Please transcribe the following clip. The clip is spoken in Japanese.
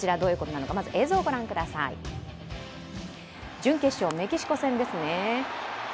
準決勝、メキシコ戦です。